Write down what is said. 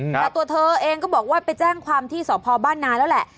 แต่ตัวเธอเองก็บอกว่าไปแจ้งความที่สพบ้านนาแล้วแหละ